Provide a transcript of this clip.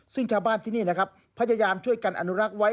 ซึ่งชาวบ้านที่นี่นะครับพยายามช่วยกันอนุรักษ์ไว้